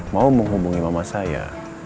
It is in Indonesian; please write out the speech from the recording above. mau menghubungi mama saya